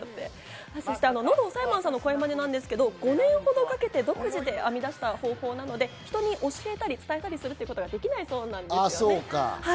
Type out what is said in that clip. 喉押さえマンの声まねなんですけど、５年ほどかけて独自で編み出した方法なので人に教えたり伝えたりするってことができないそうなんですね。